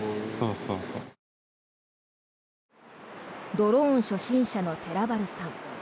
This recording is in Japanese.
ドローン初心者の寺原さん。